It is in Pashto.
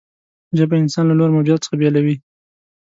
ژبه انسان له نورو موجوداتو څخه بېلوي.